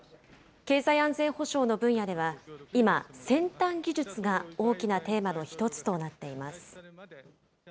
経済安全保障の分野では、今、先端技術が大きなテーマの一つとなっています。